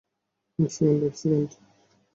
এক সেকেন্ড, এক সেকেন্ড।